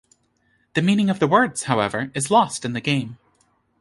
The meaning of the words, however, is lost in the game.